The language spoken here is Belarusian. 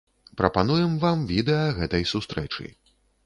Прапануем вам відэа гэтай сустрэчы.